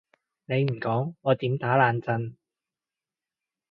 你唔講我點打冷震？